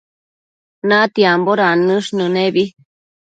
natiambo dannësh nënebi